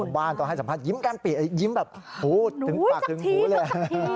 ชาวบ้านต้องให้สำคัญยิ้มกันยิ้มแบบหูถึงปากถึงหูเลย